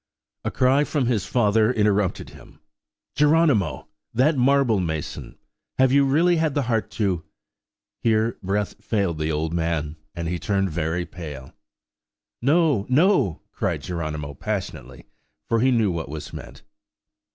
A cry from his father interrupted him. "Geronimo!–that marble mason!–have you really had the heart to–" Here breath failed the old man, and he turned very pale. "No, no!"!" cried Geronimo, passionately, for he knew what was meant.